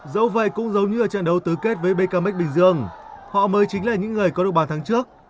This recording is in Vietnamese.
dẫu vậy cũng giống như ở trận đấu tứ kết với bkm bình dương họ mới chính là những người có được bàn thắng trước